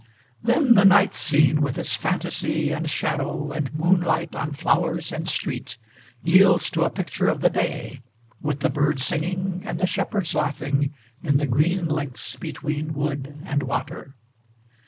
Then the night scene, with its fantasy, and shadow, and moonlight on flowers and street, yields to a picture of the day, with the birds singing, and the shepherds laughing, in the green links between wood and water.